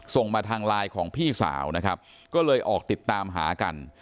ส่งมาทางไลน์ของพี่สาวนะครับก็เลยออกติดตามหากัน